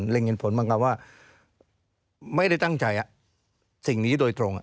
เร่งเห็นผลบางครั้งว่าไม่ได้ตั้งใจสิ่งนี้โดยตรง